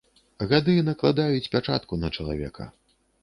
Гады накладаюць пячатку на чалавека.